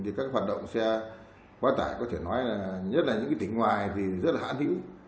thì các hoạt động xe quá tải có thể nói là nhất là những tỉnh ngoài thì rất là hãn hữu